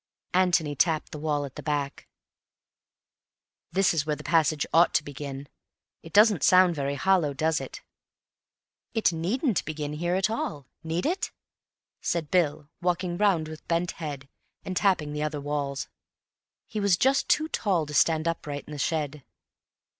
Antony tapped the wall at the back. "This is where the passage ought to begin. It doesn't sound very hollow, does it?" "It needn't begin here at all, need it?" said Bill, walking round with bent head, and tapping the other walls. He was just too tall to stand upright in the shed.